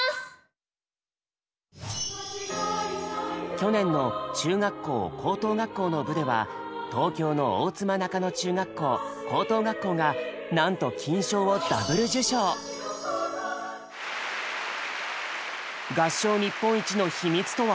去年の中学校・高等学校の部では東京の大妻中野中学校・高等学校がなんと金賞を合唱日本一の秘密とは？